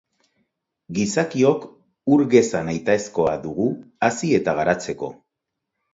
Gizakiok ur geza nahitaezkoa dugu hazi eta garatzeko.